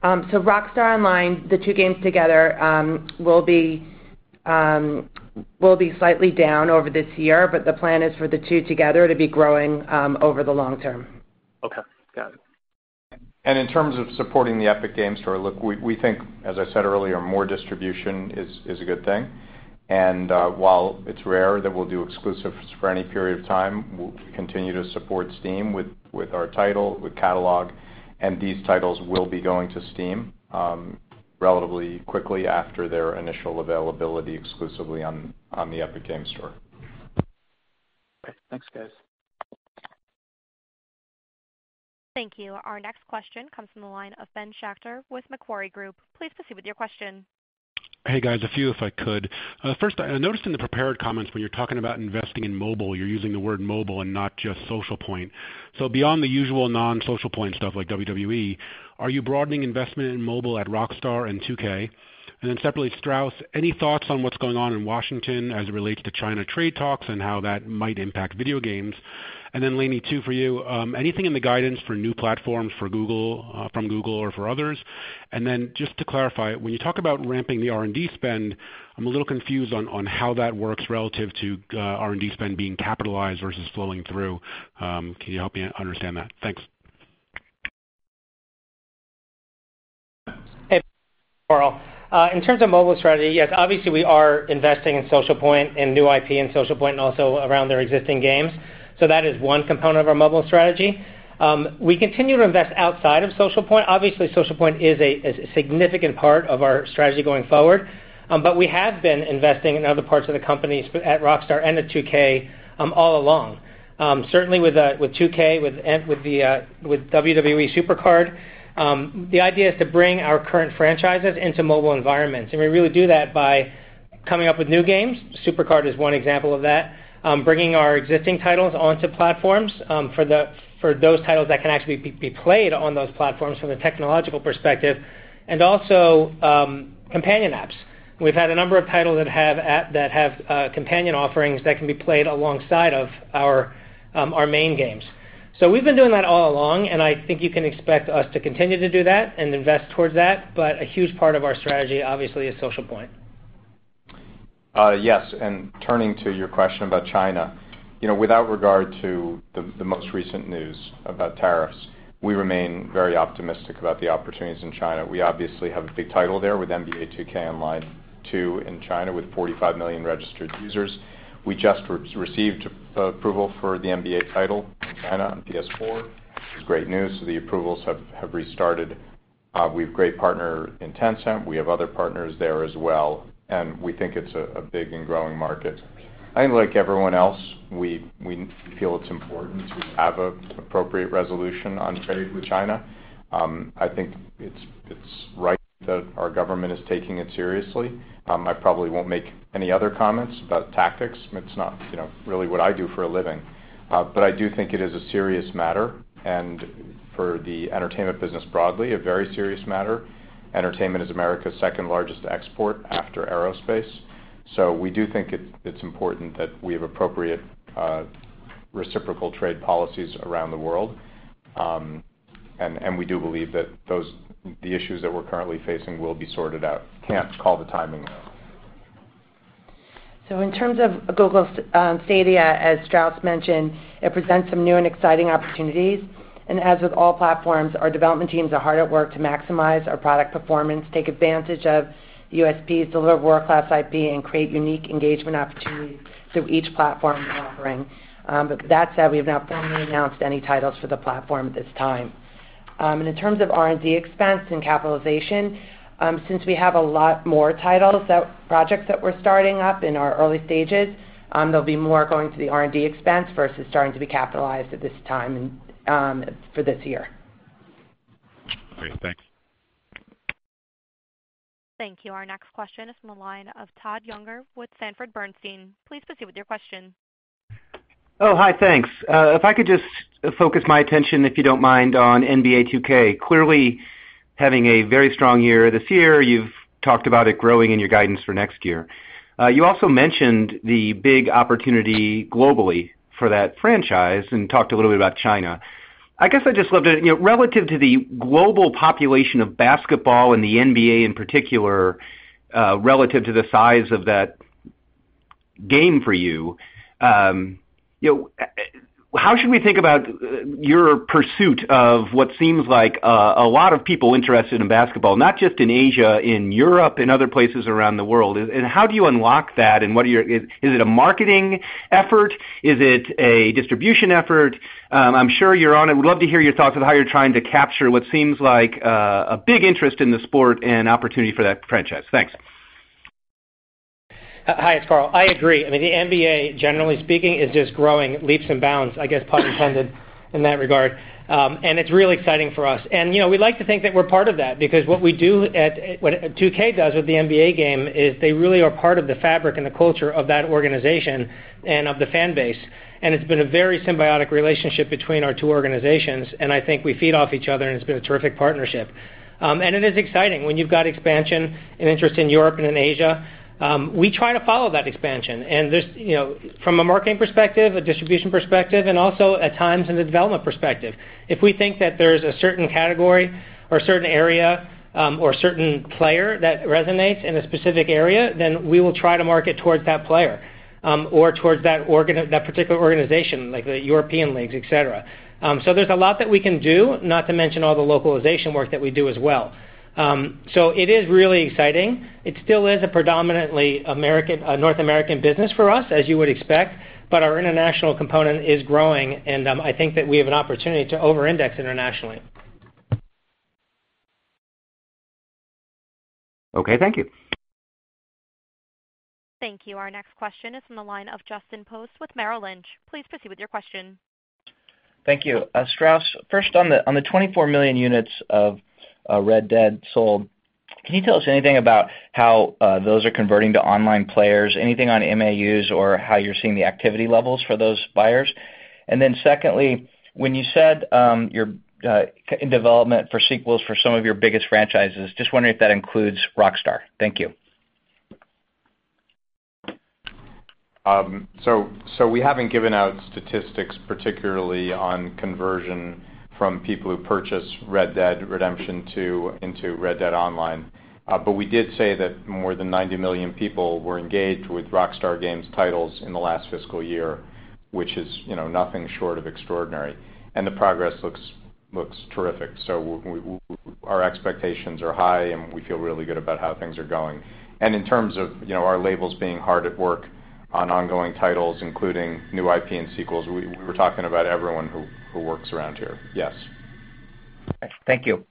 Rockstar Online, the two games together will be slightly down over this year, the plan is for the two together to be growing over the long term. Okay. Got it. In terms of supporting the Epic Games Store, look, we think, as I said earlier, more distribution is a good thing. While it's rare that we'll do exclusives for any period of time, we'll continue to support Steam with our title, with catalog, and these titles will be going to Steam relatively quickly after their initial availability exclusively on the Epic Games Store. Great. Thanks, guys. Thank you. Our next question comes from the line of Ben Schachter with Macquarie Group. Please proceed with your question. Hey, guys. A few if I could. First, I noticed in the prepared comments when you're talking about investing in mobile, you're using the word mobile and not just Social Point. Beyond the usual non-Social Point stuff like WWE, are you broadening investment in mobile at Rockstar and 2K? Separately, Strauss, any thoughts on what's going on in Washington as it relates to China trade talks and how that might impact video games? Lainie, two for you. Anything in the guidance for new platforms from Google or for others? Just to clarify, when you talk about ramping the R&D spend, I'm a little confused on how that works relative to R&D spend being capitalized versus flowing through. Can you help me understand that? Thanks. Hey, Karl. In terms of mobile strategy, yes, obviously we are investing in Social Point and new IP in Social Point and also around their existing games. That is one component of our mobile strategy. We continue to invest outside of Social Point. Obviously, Social Point is a significant part of our strategy going forward. We have been investing in other parts of the company at Rockstar and at 2K all along. Certainly with 2K, with WWE SuperCard, the idea is to bring our current franchises into mobile environments, and we really do that by coming up with new games. SuperCard is one example of that. Bringing our existing titles onto platforms for those titles that can actually be played on those platforms from a technological perspective, and also companion apps. We've had a number of titles that have companion offerings that can be played alongside our main games. So we've been doing that all along, and I think you can expect us to continue to do that and invest towards that. A huge part of our strategy, obviously, is Social Point. Yes. Turning to your question about China, without regard to the most recent news about tariffs, we remain very optimistic about the opportunities in China. We obviously have a big title there with NBA 2K Online 2 in China with 45 million registered users. We just received approval for the NBA title in China on PS4, which is great news. The approvals have restarted. We have a great partner in Tencent. We have other partners there as well, and we think it's a big and growing market. I think like everyone else, we feel it's important to have an appropriate resolution on trade with China. I think it's right that our government is taking it seriously. I probably won't make any other comments about tactics. It's not really what I do for a living. I do think it is a serious matter, and for the entertainment business broadly, a very serious matter. Entertainment is America's second-largest export after aerospace. We do think it's important that we have appropriate reciprocal trade policies around the world. We do believe that the issues that we're currently facing will be sorted out. Can't call the timing, though. In terms of Google Stadia, as Strauss mentioned, it presents some new and exciting opportunities. As with all platforms, our development teams are hard at work to maximize our product performance, take advantage of USPs, deliver world-class IP, and create unique engagement opportunities through each platform's offering. That said, we have not formally announced any titles for the platform at this time. In terms of R&D expense and capitalization, since we have a lot more titles, projects that we're starting up in our early stages, there'll be more going to the R&D expense versus starting to be capitalized at this time for this year. Great. Thanks. Thank you. Our next question is from the line of Todd Juenger with Sanford Bernstein. Please proceed with your question. Hi. Thanks. If I could just focus my attention, if you don't mind, on NBA 2K. Clearly, having a very strong year this year. You've talked about it growing in your guidance for next year. You also mentioned the big opportunity globally for that franchise and talked a little bit about China. Relative to the global population of basketball and the NBA in particular, relative to the size of that game for you, how should we think about your pursuit of what seems like a lot of people interested in basketball, not just in Asia, in Europe, and other places around the world? How do you unlock that? Is it a marketing effort? Is it a distribution effort? I'm sure you're on it. Would love to hear your thoughts on how you're trying to capture what seems like a big interest in the sport and opportunity for that franchise. Thanks. Hi, it's Karl. I agree. I mean, the NBA, generally speaking, is just growing leaps and bounds, I guess, pun intended in that regard. It's really exciting for us. We like to think that we're part of that because what 2K does with the NBA game is they really are part of the fabric and the culture of that organization and of the fan base. It's been a very symbiotic relationship between our two organizations, and I think we feed off each other, and it's been a terrific partnership. It is exciting when you've got expansion and interest in Europe and in Asia. We try to follow that expansion. From a marketing perspective, a distribution perspective, and also at times in a development perspective, if we think that there's a certain category or a certain area or a certain player that resonates in a specific area, then we will try to market towards that player or towards that particular organization, like the European leagues, et cetera. There's a lot that we can do, not to mention all the localization work that we do as well. It is really exciting. It still is a predominantly North American business for us, as you would expect, but our international component is growing, and I think that we have an opportunity to over-index internationally. Okay, thank you. Thank you. Our next question is from the line of Justin Post with Merrill Lynch. Please proceed with your question. Thank you. Strauss, first on the 24 million units of Red Dead sold, can you tell us anything about how those are converting to online players, anything on MAUs or how you're seeing the activity levels for those buyers? Secondly, when you said you're in development for sequels for some of your biggest franchises, just wondering if that includes Rockstar. Thank you. We haven't given out statistics, particularly on conversion from people who purchased Red Dead Redemption 2 into Red Dead Online. We did say that more than 90 million people were engaged with Rockstar Games titles in the last fiscal year, which is nothing short of extraordinary. The progress looks terrific. Our expectations are high, and we feel really good about how things are going. In terms of our labels being hard at work on ongoing titles, including new IP and sequels, we're talking about everyone who works around here. Yes. Thank you.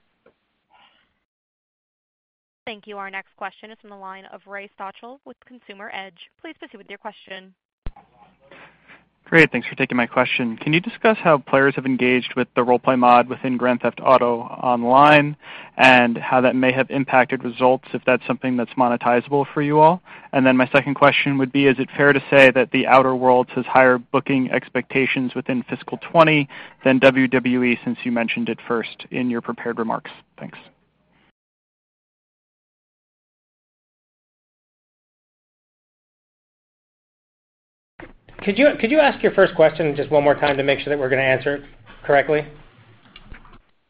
Thank you. Our next question is from the line of Ray Stochel with Consumer Edge. Please proceed with your question. Great. Thanks for taking my question. Can you discuss how players have engaged with the roleplay mod within Grand Theft Auto Online and how that may have impacted results, if that's something that's monetizable for you all? My second question would be, is it fair to say that The Outer Worlds has higher booking expectations within fiscal 2020 than WWE, since you mentioned it first in your prepared remarks? Thanks. Could you ask your first question just one more time to make sure that we're going to answer it correctly?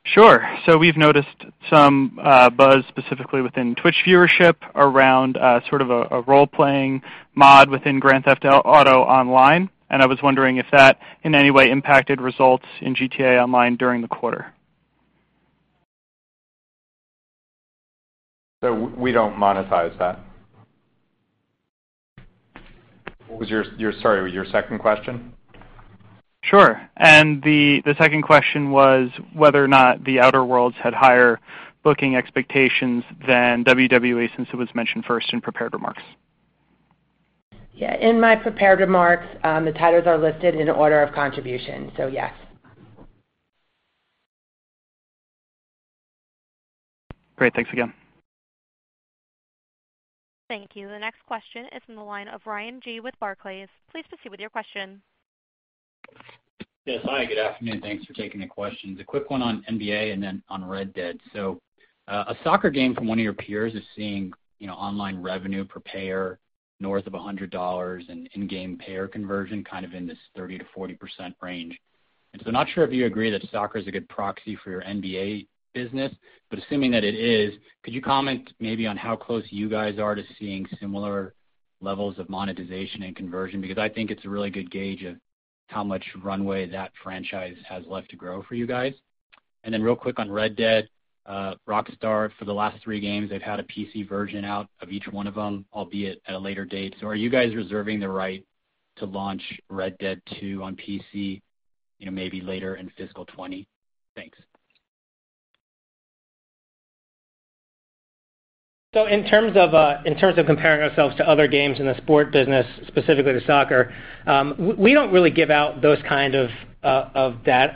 Sure. We've noticed some buzz specifically within Twitch viewership around sort of a role-playing mod within Grand Theft Auto Online, and I was wondering if that in any way impacted results in GTA Online during the quarter. We don't monetize that. What was your, sorry, your second question? Sure. The second question was whether or not The Outer Worlds had higher booking expectations than WWE, since it was mentioned first in prepared remarks. Yeah, in my prepared remarks, the titles are listed in order of contribution, yes. Great. Thanks again. Thank you. The next question is from the line of Ryan Yi with Barclays. Please proceed with your question. Yes. Hi, good afternoon. Thanks for taking the questions. A quick one on NBA and then on Red Dead. A soccer game from one of your peers is seeing online revenue per payer north of $100 and in-game payer conversion kind of in this 30%-40% range. I'm not sure if you agree that soccer is a good proxy for your NBA business, but assuming that it is, could you comment maybe on how close you guys are to seeing similar levels of monetization and conversion? Because I think it's a really good gauge of how much runway that franchise has left to grow for you guys. Then real quick on Red Dead. Rockstar, for the last three games, they've had a PC version out of each one of them, albeit at a later date. Are you guys reserving the right to launch Red Dead 2 on PC maybe later in fiscal 2020? Thanks. In terms of comparing ourselves to other games in the sport business, specifically to soccer, we don't really give out that kind of data,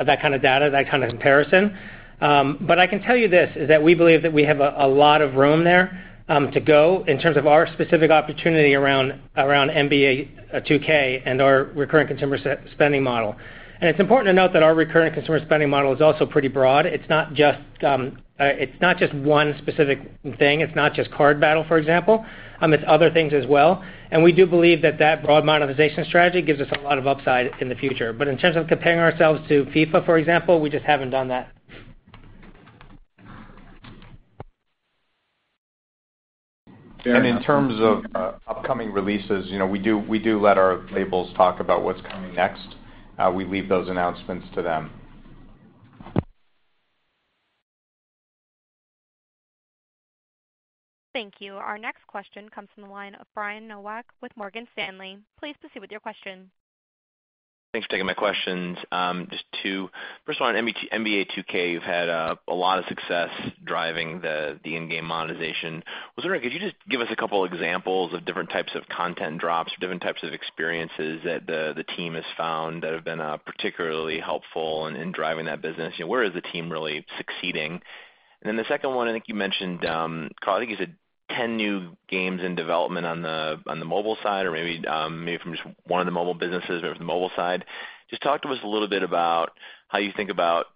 that kind of comparison. I can tell you this, is that we believe that we have a lot of room there to go in terms of our specific opportunity around NBA 2K and our recurring consumer spending model. It's important to note that our recurring consumer spending model is also pretty broad. It's not just one specific thing. It's not just card battle, for example. It's other things as well. We do believe that that broad monetization strategy gives us a lot of upside in the future. In terms of comparing ourselves to FIFA, for example, we just haven't done that. In terms of upcoming releases, we do let our labels talk about what's coming next. We leave those announcements to them. Thank you. Our next question comes from the line of Brian Nowak with Morgan Stanley. Please proceed with your question. Thanks for taking my questions. Just two. First one, NBA 2K, you've had a lot of success driving the in-game monetization. I was wondering, could you just give us a couple examples of different types of content drops or different types of experiences that the team has found that have been particularly helpful in driving that business? Where is the team really succeeding? Then the second one, I think you mentioned, Karl, I think you said 10 new games in development on the mobile side, or maybe from just one of the mobile businesses or the mobile side. Just talk to us a little bit about how you think about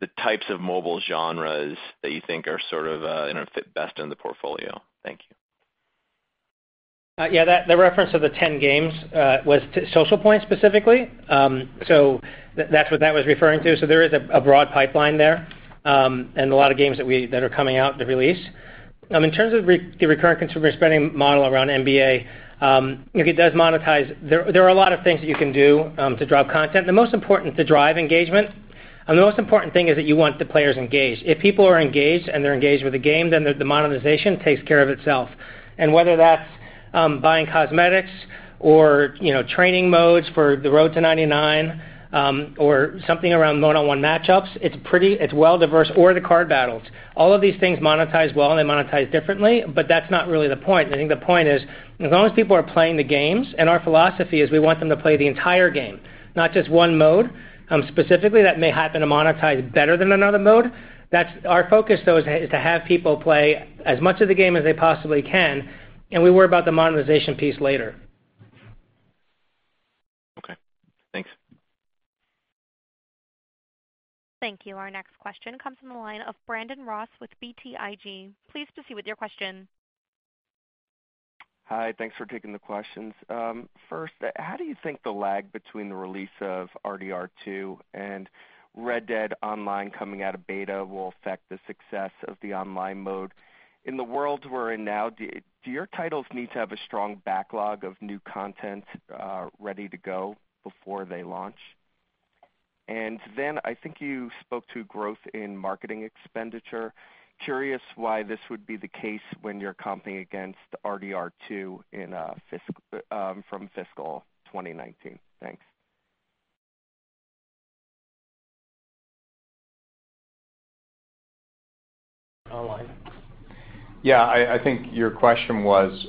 the types of mobile genres that you think fit best in the portfolio. Thank you. Yeah, the reference of the 10 games was to Social Point specifically. That's what that was referring to. There is a broad pipeline there, and a lot of games that are coming out to release. In terms of the Recurrent Consumer Spending model around NBA, it does monetize. There are a lot of things that you can do to drive content. The most important to drive engagement, and the most important thing is that you want the players engaged. If people are engaged, and they're engaged with the game, then the monetization takes care of itself. Whether that's buying cosmetics or training modes for the road to 99 or something around one-on-one matchups, it's well diverse for the card battles. All of these things monetize well, and they monetize differently, but that's not really the point. I think the point is as long as people are playing the games, and our philosophy is we want them to play the entire game, not just one mode specifically that may happen to monetize better than another mode. That's our focus, though, is to have people play as much of the game as they possibly can, and we worry about the monetization piece later. Okay, thanks. Thank you. Our next question comes from the line of Brandon Ross with BTIG. Please proceed with your question. Hi, thanks for taking the questions. First, how do you think the lag between the release of RDR2 and Red Dead Online coming out of beta will affect the success of the online mode? In the world we're in now, do your titles need to have a strong backlog of new content ready to go before they launch? I think you spoke to growth in marketing expenditure. Curious why this would be the case when you're comping against RDR2 from fiscal 2019. Thanks. I think your question was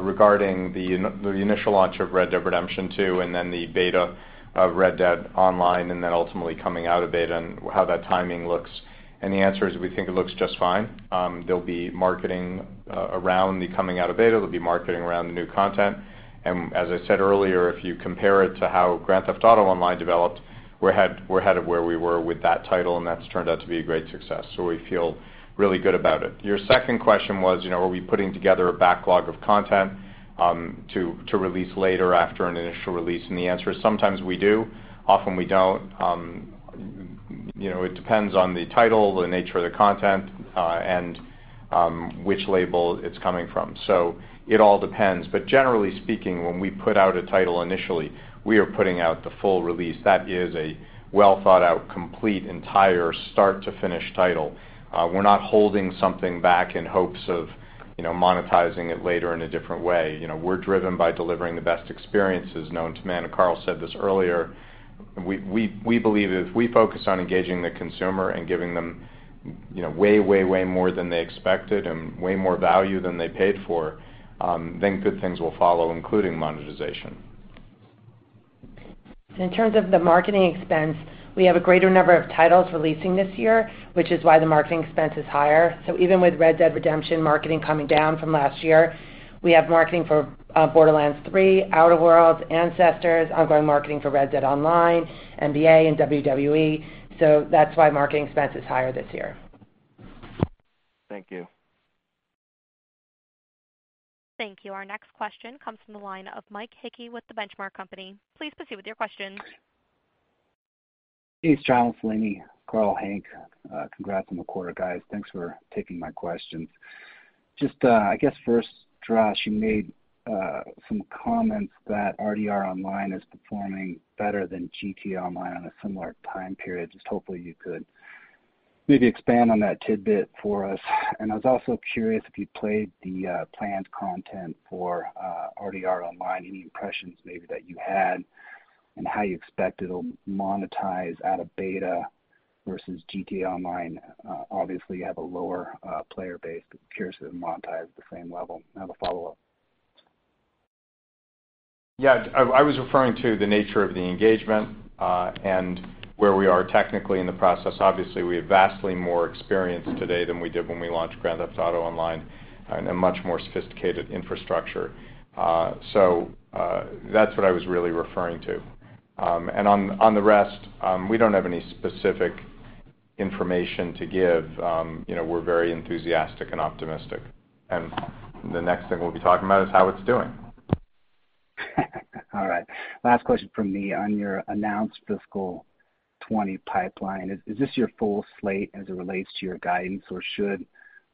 regarding the initial launch of Red Dead Redemption 2 and then the beta of Red Dead Online and then ultimately coming out of beta and how that timing looks. The answer is, we think it looks just fine. There'll be marketing around the coming out of beta. There'll be marketing around the new content. As I said earlier, if you compare it to how Grand Theft Auto Online developed, we're ahead of where we were with that title, and that's turned out to be a great success. We feel really good about it. Your second question was, are we putting together a backlog of content to release later after an initial release, the answer is sometimes we do, often we don't. It depends on the title, the nature of the content, and which label it's coming from. It all depends. Generally speaking, when we put out a title initially, we are putting out the full release. That is a well-thought-out, complete, entire start-to-finish title. We're not holding something back in hopes of monetizing it later in a different way. We're driven by delivering the best experiences known to man, and Karl said this earlier. We believe if we focus on engaging the consumer and giving them way more than they expected and way more value than they paid for then good things will follow, including monetization. In terms of the marketing expense, we have a greater number of titles releasing this year, which is why the marketing expense is higher. Even with Red Dead Redemption marketing coming down from last year, we have marketing for Borderlands 3, Outer Worlds, Ancestors, ongoing marketing for Red Dead Online, NBA, and WWE. That's why marketing expense is higher this year. Thank you. Thank you. Our next question comes from the line of Mike Hickey with The Benchmark Company. Please proceed with your questions. Hey, it's Doug Creutz, Karl, Hank. Congrats on the quarter, guys. Thanks for taking my questions. I guess first, Strauss, you made some comments that RDR Online is performing better than GTA Online on a similar time period. Hopefully you could maybe expand on that tidbit for us. I was also curious if you played the planned content for RDR Online, any impressions maybe that you had and how you expect it'll monetize out of beta versus GTA Online. Obviously, you have a lower player base, but curious if it'll monetize at the same level and I have a follow-up. Yeah, I was referring to the nature of the engagement, and where we are technically in the process. Obviously, we have vastly more experience today than we did when we launched Grand Theft Auto Online and a much more sophisticated infrastructure. That's what I was really referring to. On the rest, we don't have any specific information to give. We're very enthusiastic and optimistic, and the next thing we'll be talking about is how it's doing. All right. Last question from me. On your announced fiscal 2020 pipeline, is this your full slate as it relates to your guidance, or should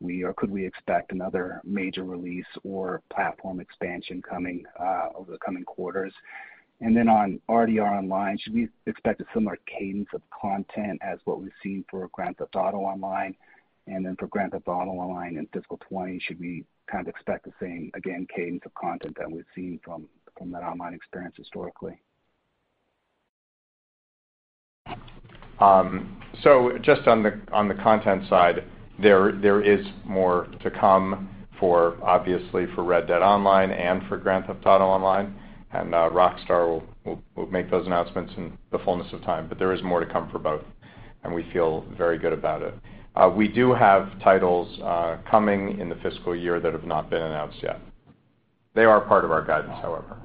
we, or could we expect another major release or platform expansion over the coming quarters? On RDR Online, should we expect a similar cadence of content as what we've seen for Grand Theft Auto Online? For Grand Theft Auto Online in fiscal 2020, should we kind of expect the same, again, cadence of content that we've seen from that online experience historically? Just on the content side, there is more to come obviously for Red Dead Online and for Grand Theft Auto Online. Rockstar will make those announcements in the fullness of time. There is more to come for both, and we feel very good about it. We do have titles coming in the fiscal year that have not been announced yet. They are part of our guidance, however.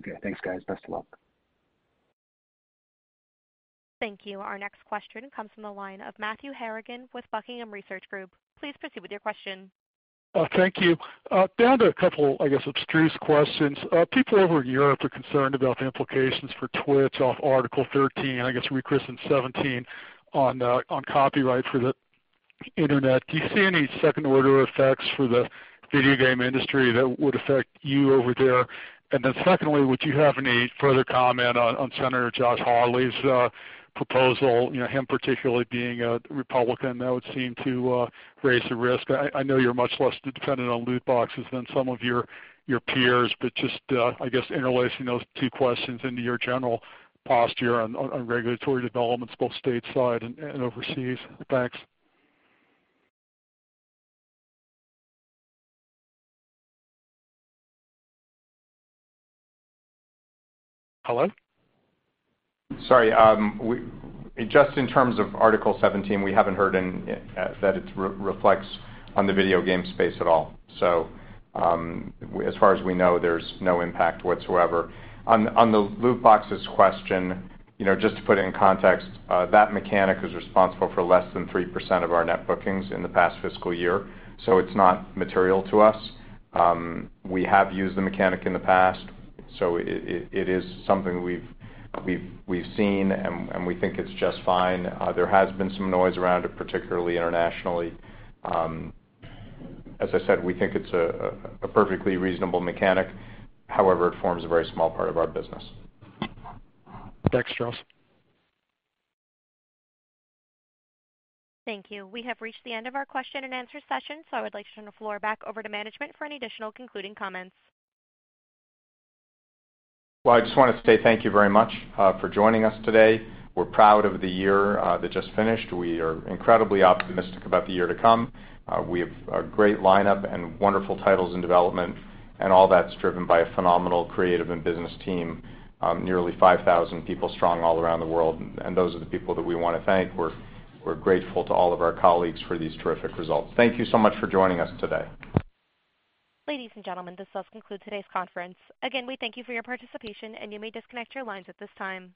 Okay, thanks guys. Best of luck. Thank you. Our next question comes from the line of Matthew Harrigan with Buckingham Research Group. Please proceed with your question. Thank you. Down to a couple, I guess, abstruse questions. People over in Europe are concerned about the implications for Twitch off Article 13, I guess rechristened 17, on copyright for the internet. Do you see any second-order effects for the video game industry that would affect you over there? Secondly, would you have any further comment on Senator Josh Hawley's proposal, him particularly being a Republican, that would seem to raise the risk? I know you're much less dependent on loot boxes than some of your peers, but just, I guess, interlacing those two questions into your general posture on regulatory developments, both stateside and overseas. Thanks. Hello? Sorry. Just in terms of Article 17, we haven't heard that it reflects on the video game space at all. As far as we know, there's no impact whatsoever. On the loot boxes question, just to put it in context, that mechanic was responsible for less than 3% of our net bookings in the past fiscal year. It's not material to us. We have used the mechanic in the past. It is something we've seen, and we think it's just fine. There has been some noise around it, particularly internationally. As I said, we think it's a perfectly reasonable mechanic. However, it forms a very small part of our business. Thanks, Strauss. Thank you. We have reached the end of our question and answer session. I would like to turn the floor back over to management for any additional concluding comments. Well, I just wanted to say thank you very much for joining us today. We're proud of the year that just finished. We are incredibly optimistic about the year to come. We have a great lineup and wonderful titles in development. All that's driven by a phenomenal creative and business team of nearly 5,000 people strong all around the world, and those are the people that we want to thank. We're grateful to all of our colleagues for these terrific results. Thank you so much for joining us today. Ladies and gentlemen, this does conclude today's conference. Again, we thank you for your participation, and you may disconnect your lines at this time.